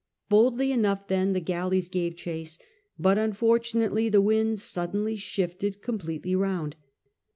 Boldly enough then the galleys gave chase, but, unfortunately, the wind suddenly shifted completely round.